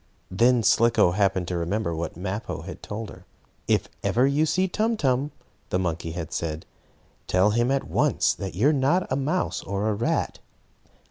Then Slicko happened to remember what Mappo had told her. "If ever you see Tum Tum," the monkey had said, "tell him at once that you are not a mouse or a rat."